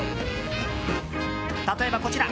例えば、こちら。